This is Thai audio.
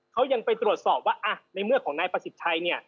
เขายังไปตรวจสอบว่าในเมื่อของนายประสิทธิ์ชัยเนี่ย